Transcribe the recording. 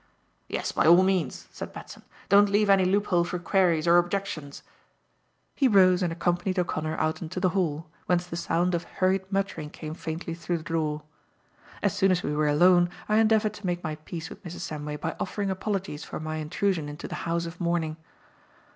"Yes, by all means," said Batson. "Don't leave any loop hole for queries or objections." He rose and accompanied O'Connor out into the hall, whence the sound of hurried muttering came faintly through the door. As soon as we were alone, I endeavoured to make my peace with Mrs. Samway by offering apologies for my intrusion into the house of mourning.